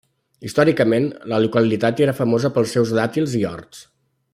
Històricament, la localitat era famosa pels seus dàtils i horts.